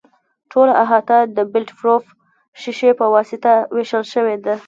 ټوله احاطه د بلټ پروف شیشې په واسطه وېشل شوې ده.